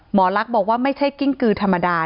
หมอลักษณ์บอกว่าไม่ใช่กิ้งกือธรรมดา